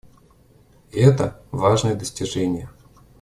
Это — важное достижение.